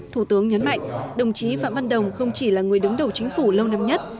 thủ tướng nhấn mạnh đồng chí phạm văn đồng không chỉ là người đứng đầu chính phủ lâu năm nhất